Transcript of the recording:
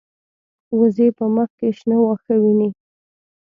وزې په مخ کې شنه واښه ویني